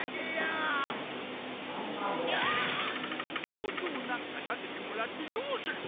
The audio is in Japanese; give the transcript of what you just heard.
銅像なんか建ててもらってどうする！？